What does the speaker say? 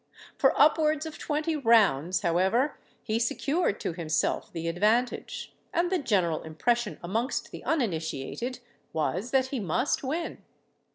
For upwards of twenty rounds, however, he secured to himself the advantage; and the general impression amongst the uninitiated was that he must win.